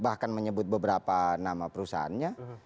bahkan menyebut beberapa nama perusahaannya